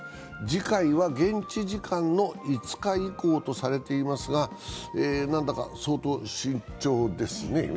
次回は現地時間の５日以降とされていますが、何だか相当慎重ですね。